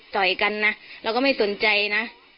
ต่อยกันนะเราก็ไม่สนใจนะ